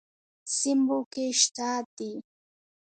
سیموکې شته دي.